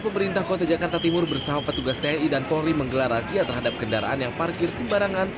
pemerintah kota jakarta timur bersama petugas tni dan polri menggelar razia terhadap kendaraan yang parkir sembarangan